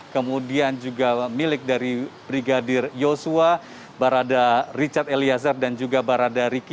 kemudian juga milik dari brigadir yosua barada richard eliezer dan juga barada riki